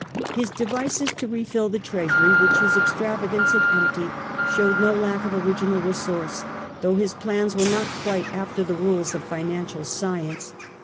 ^^' His devices to refill the treasury, which his extra vagance had emptied, showed no lack of original re source, though his plans were not quite after the rules His devices of financial science.